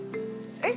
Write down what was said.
えっ？